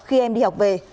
khi em đi học về